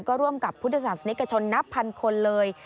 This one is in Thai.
ก็ร่วมกับพุทธศาสนิกชนนับพันคนเลย